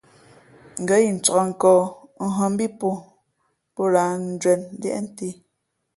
Ngα̌ incāk nkᾱᾱ nhᾱ mbí pō, pō lāh njwēn liēʼ ntē.